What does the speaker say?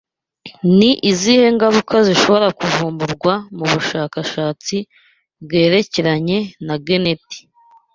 Ni izihe ngaruka zishobora kuvumburwa mubushakashatsi bwerekeranye na geneti